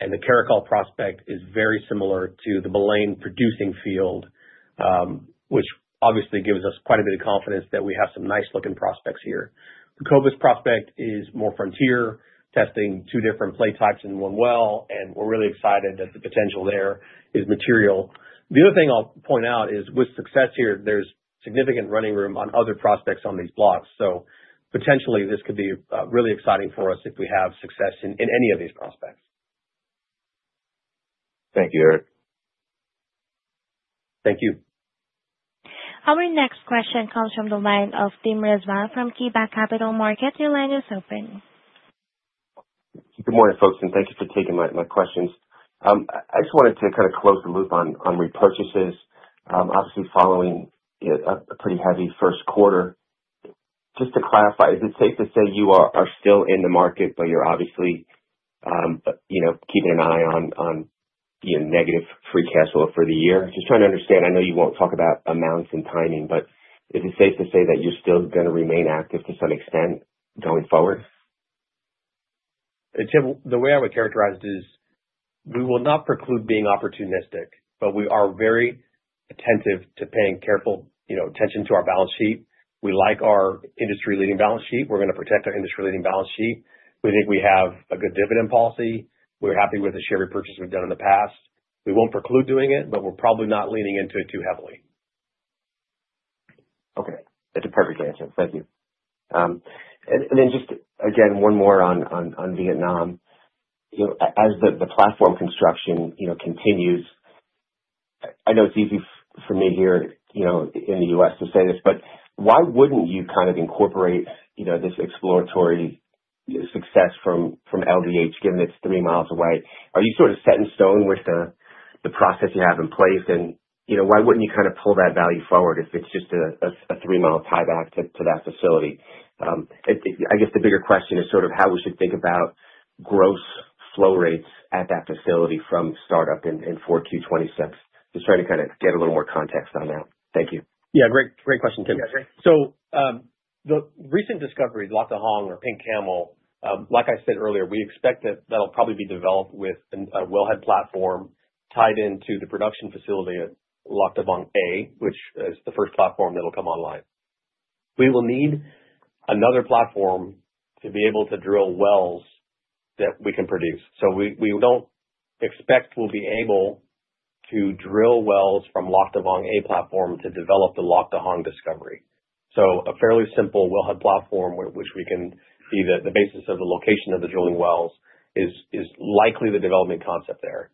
The Caracal prospect is very similar to the Malane producing field, which obviously gives us quite a bit of confidence that we have some nice-looking prospects here. The COBUS prospect is more frontier, testing two different plate types in one well, and we are really excited that the potential there is material. The other thing I'll point out is with success here, there's significant running room on other prospects on these blocks. Potentially, this could be really exciting for us if we have success in any of these prospects. Thank you, Eric. Thank you. Our next question comes from the line of Tim Rezvan from KeyBanc Capital Markets. Your line is open. Good morning, folks, and thank you for taking my questions. I just wanted to kind of close the loop on repurchases, obviously following a pretty heavy first quarter. Just to clarify, is it safe to say you are still in the market, but you're obviously keeping an eye on negative free cash flow for the year? Just trying to understand. I know you won't talk about amounts and timing, but is it safe to say that you're still going to remain active to some extent going forward? Tim, the way I would characterize it is we will not preclude being opportunistic, but we are very attentive to paying careful attention to our balance sheet. We like our industry-leading balance sheet. We're going to protect our industry-leading balance sheet. We think we have a good dividend policy. We're happy with the share repurchase we've done in the past. We won't preclude doing it, but we're probably not leaning into it too heavily. Okay. That's a perfect answer. Thank you. And then just again, one more on Vietnam. As the platform construction continues, I know it's easy for me here in the U.S. to say this, but why wouldn't you kind of incorporate this exploratory success from LDH, given it's three miles away? Are you sort of set in stone with the process you have in place? And why wouldn't you kind of pull that value forward if it's just a three-mile tieback to that facility? I guess the bigger question is sort of how we should think about gross flow rates at that facility from startup in 4Q 2026. Just trying to kind of get a little more context on that. Thank you. Yeah. Great question, Tim. The recent discovery, Lac Da Hong or Pink Camel, like I said earlier, we expect that that'll probably be developed with a wellhead platform tied into the production facility at Lac Da Hong A, which is the first platform that'll come online. We will need another platform to be able to drill wells that we can produce. We do not expect we'll be able to drill wells from the Lac Da Hong A platform to develop the Lac Da Hong discovery. A fairly simple wellhead platform, which we can see that the basis of the location of the drilling wells is likely the development concept there.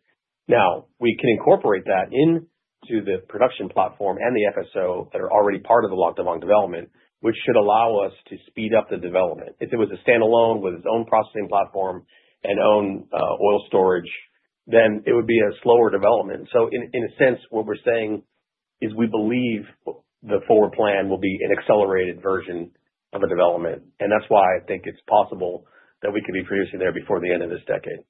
Now, we can incorporate that into the production platform and the FPSO that are already part of the Lac Da Hong development, which should allow us to speed up the development. If it was a standalone with its own processing platform and own oil storage, then it would be a slower development. In a sense, what we're saying is we believe the forward plan will be an accelerated version of a development. That's why I think it's possible that we could be producing there before the end of this decade.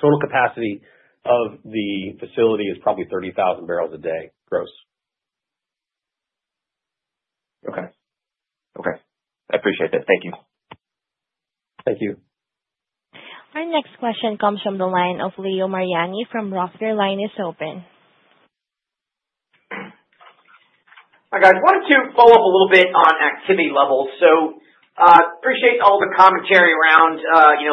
Total capacity of the facility is probably 30,000 barrels a day, gross. Okay. Okay. I appreciate that. Thank you. Thank you. Our next question comes from the line of Leo Mariani from ROTH Capital. Line is open. Hi, guys. I wanted to follow up a little bit on activity levels. I appreciate all the commentary around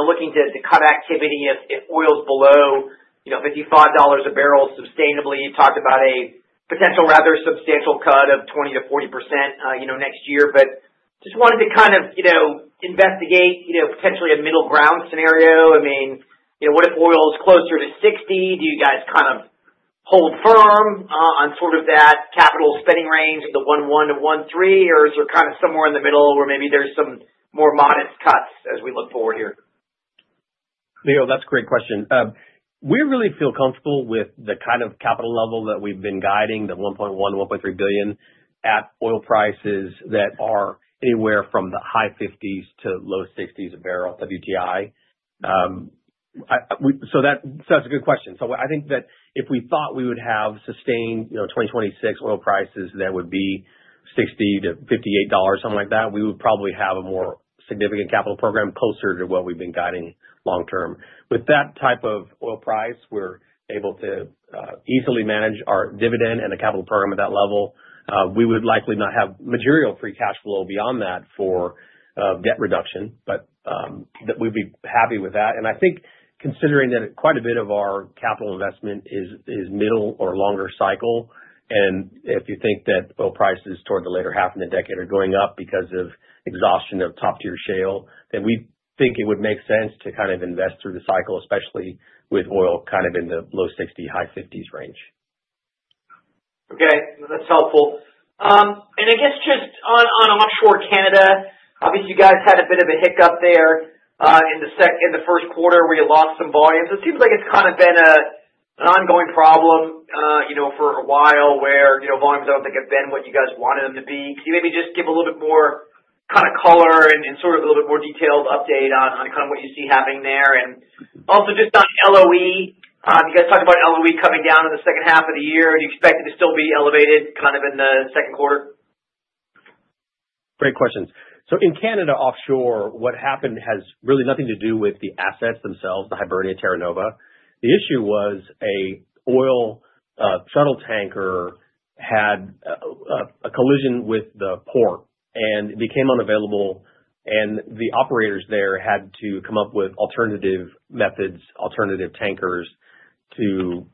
looking to cut activity if oil's below $55 a barrel sustainably. You talked about a potential rather substantial cut of 20-40% next year, but I just wanted to kind of investigate potentially a middle ground scenario. I mean, what if oil is closer to $60? Do you guys kind of hold firm on sort of that capital spending range of the $1.1 billion-$1.3 billion, or is there kind of somewhere in the middle where maybe there's some more modest cuts as we look forward here? Leo, that's a great question. We really feel comfortable with the kind of capital level that we've been guiding, the $1.1 billion-$1.3 billion at oil prices that are anywhere from the high $50s to low $60s a barrel WTI. That's a good question. I think that if we thought we would have sustained 2026 oil prices that would be $60-$58, something like that, we would probably have a more significant capital program closer to what we've been guiding long term. With that type of oil price, we're able to easily manage our dividend and the capital program at that level. We would likely not have material free cash flow beyond that for debt reduction, but we'd be happy with that. I think considering that quite a bit of our capital investment is middle or longer cycle, and if you think that oil prices toward the later half of the decade are going up because of exhaustion of top-tier shale, then we think it would make sense to kind of invest through the cycle, especially with oil kind of in the low $60-high $50s range. Okay. That's helpful. I guess just on offshore Canada, obviously you guys had a bit of a hiccup there in the first quarter where you lost some volumes. It seems like it's kind of been an ongoing problem for a while where volumes I don't think have been what you guys wanted them to be. Can you maybe just give a little bit more kind of color and sort of a little bit more detailed update on kind of what you see happening there? Also just on LOE, you guys talked about LOE coming down in the second half of the year. Do you expect it to still be elevated kind of in the second quarter? Great questions. In Canada, offshore, what happened has really nothing to do with the assets themselves, the Hibernia, Terra Nova. The issue was an oil shuttle tanker had a collision with the port, and it became unavailable. The operators there had to come up with alternative methods, alternative tankers to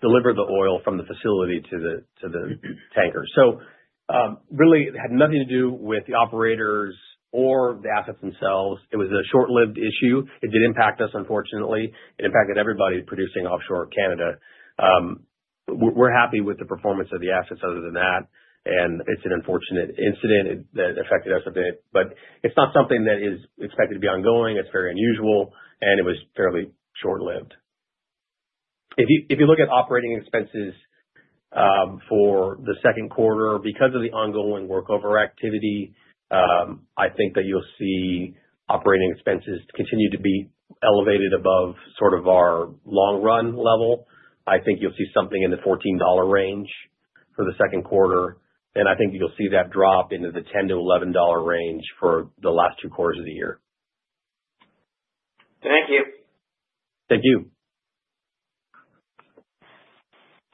deliver the oil from the facility to the tanker. It had nothing to do with the operators or the assets themselves. It was a short-lived issue. It did impact us, unfortunately. It impacted everybody producing offshore Canada. We're happy with the performance of the assets other than that. It's an unfortunate incident that affected us a bit. It's not something that is expected to be ongoing. It's very unusual, and it was fairly short-lived. If you look at operating expenses for the second quarter, because of the ongoing workover activity, I think that you'll see operating expenses continue to be elevated above sort of our long-run level. I think you'll see something in the $14 range for the second quarter. I think you'll see that drop into the $10-$11 range for the last two quarters of the year. Thank you. Thank you.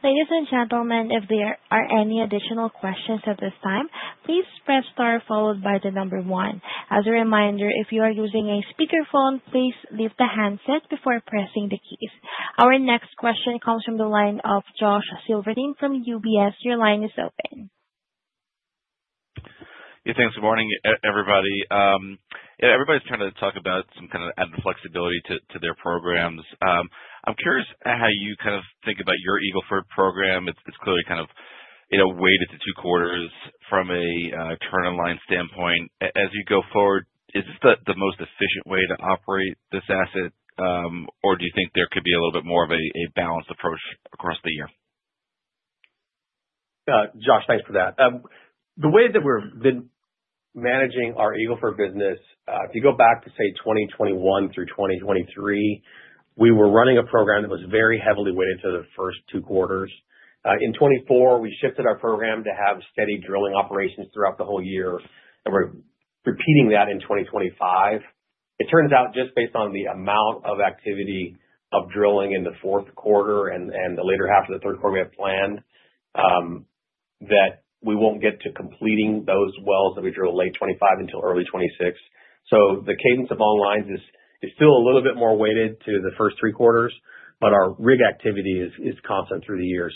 Ladies and gentlemen, if there are any additional questions at this time, please press star followed by the number one. As a reminder, if you are using a speakerphone, please lift the handset before pressing the keys. Our next question comes from the line of Josh Silverstein from UBS. Your line is open. Yeah. Thanks. Good morning, everybody. Everybody's trying to talk about some kind of added flexibility to their programs. I'm curious how you kind of think about your Eagle Ford program. It's clearly kind of weighted to two quarters from a turn-on-line standpoint. As you go forward, is this the most efficient way to operate this asset, or do you think there could be a little bit more of a balanced approach across the year? Josh, thanks for that. The way that we've been managing our Eagle Ford business, if you go back to, say, 2021 through 2023, we were running a program that was very heavily weighted to the first two quarters. In 2024, we shifted our program to have steady drilling operations throughout the whole year. We're repeating that in 2025. It turns out, just based on the amount of activity of drilling in the fourth quarter and the later half of the third quarter we had planned, that we won't get to completing those wells that we drilled late 2025 until early 2026. The cadence of onlines is still a little bit more weighted to the first three quarters, but our rig activity is constant through the year.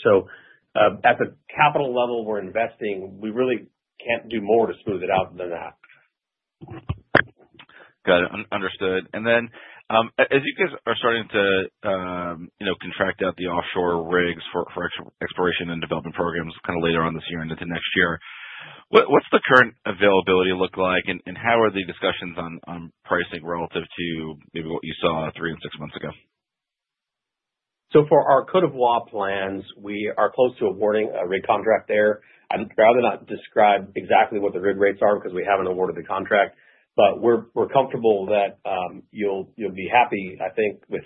At the capital level we're investing, we really can't do more to smooth it out than that. Got it. Understood. As you guys are starting to contract out the offshore rigs for exploration and development programs kind of later on this year into next year, what's the current availability look like, and how are the discussions on pricing relative to maybe what you saw three and six months ago? For our Côte d'Ivoire plans, we are close to awarding a rig contract there. I'd rather not describe exactly what the rig rates are because we haven't awarded the contract. We are comfortable that you'll be happy, I think, with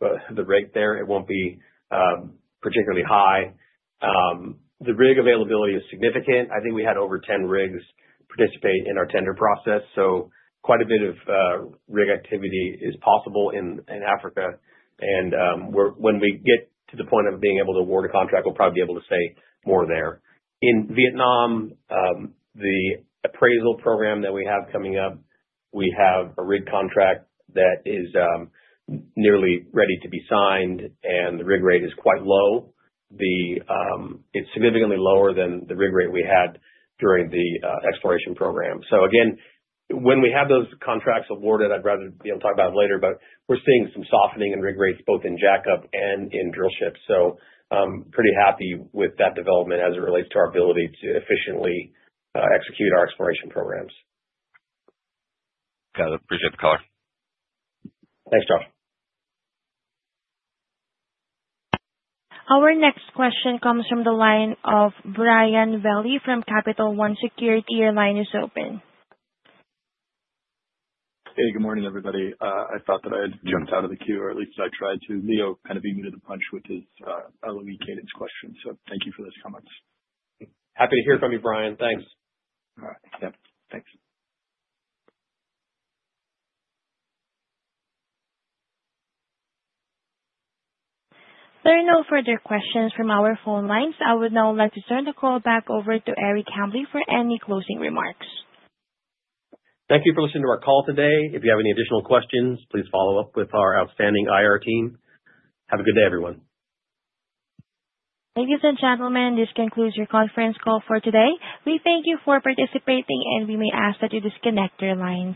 the rate there. It won't be particularly high. The rig availability is significant. I think we had over 10 rigs participate in our tender process. Quite a bit of rig activity is possible in Africa. When we get to the point of being able to award a contract, we'll probably be able to say more there. In Vietnam, the appraisal program that we have coming up, we have a rig contract that is nearly ready to be signed, and the rig rate is quite low. It's significantly lower than the rig rate we had during the exploration program. When we have those contracts awarded, I'd rather be able to talk about it later, but we're seeing some softening in rig rates, both in jackup and in drill ships. Pretty happy with that development as it relates to our ability to efficiently execute our exploration programs. Got it. Appreciate the call. Thanks, Josh. Our next question comes from the line of Brian Welly from Capital One Securities. Your line is open. Hey, good morning, everybody. I thought that I had jumped out of the queue, or at least I tried to. Leo kind of beat me to the punch with his LOE cadence question. So thank you for those comments. Happy to hear from you, Brian. Thanks. All right. Yeah. Thanks. There are no further questions from our phone lines. I would now like to turn the call back over to Eric Hambly for any closing remarks. Thank you for listening to our call today. If you have any additional questions, please follow up with our outstanding IR team. Have a good day, everyone. Ladies and gentlemen, this concludes your conference call for today. We thank you for participating, and we may ask that you disconnect your lines.